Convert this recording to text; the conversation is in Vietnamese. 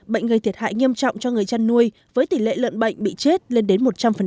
bệnh gây thiệt hại nghiêm trọng cho người chăn nuôi với tỷ lệ lợn bệnh bị chết lên đến một trăm linh